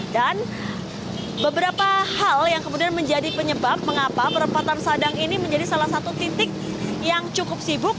dan beberapa hal yang kemudian menjadi penyebab mengapa perempatan sadang ini menjadi salah satu titik yang cukup sibuk